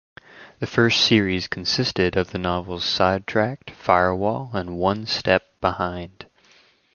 The first series consisted of the novels "Sidetracked", "Firewall" and "One Step Behind".